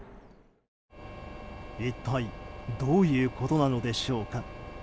一体どういうことなのでしょうか？